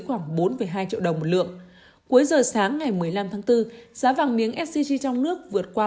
khoảng bốn hai triệu đồng một lượng cuối giờ sáng ngày một mươi năm tháng bốn giá vàng miếng sgc trong nước vượt qua